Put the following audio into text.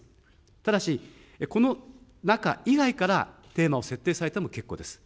ただし、この中以外からテーマを設定されても結構です。